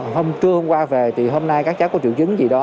hôm trưa hôm qua về thì hôm nay các cháu có triệu chứng gì đó